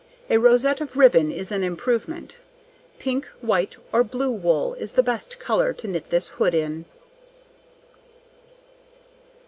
A rosette of ribbon is an improvement. Pink, white, or blue wool, is the best colour to knit this hood in.